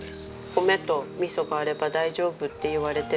米と味噌があれば大丈夫っていわれてるので。